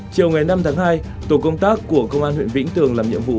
chiều ngày năm tháng hai tổ công tác của công an huyện vĩnh tường làm nhiệm vụ